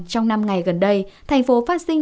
trong năm ngày gần đây thành phố phát sinh